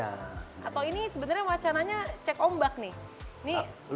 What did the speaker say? atau ini sebenarnya wacananya cek ombak nih